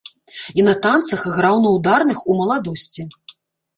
І на танцах граў на ўдарных у маладосці.